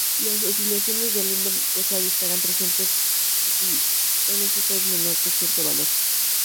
Las oscilaciones Lidov-Kozai estarán presentes si Lz es menor que un cierto valor.